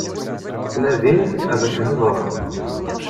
Ttnadin ad ak-hedṛen.